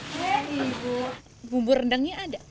hei bu bumbu rendangnya ada